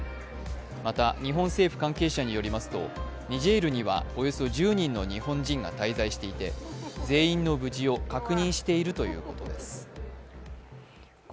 また、日本政府関係者によりますとニジェールにはおよそ１０人の日本人が滞在していて全員の無事を確認しているということです。